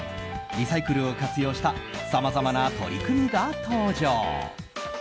リサイクルを活用したさまざまな取り組みが登場。